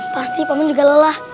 pasti paman juga lelah